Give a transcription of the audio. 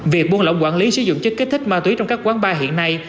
việc buôn lỏng quản lý sử dụng chất kích thích ma túy trong các quán bar hiện nay